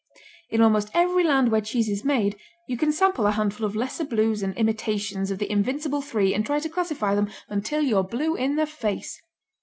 In almost every, land where cheese is made you can sample a handful of lesser Blues and imitations of the invincible three and try to classify them, until you're blue in the face.